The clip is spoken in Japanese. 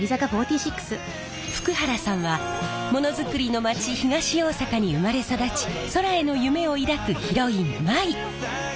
福原さんはものづくりの町東大阪に生まれ育ち空への夢を抱くヒロイン舞。